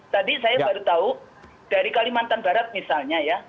tadi saya baru tahu dari kalimantan barat misalnya ya